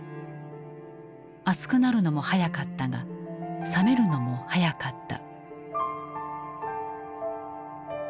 熱くなるのも早かったが冷めるのも早かった。